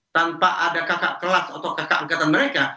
tanpa ada kakak kelak atau kakak angkatan mereka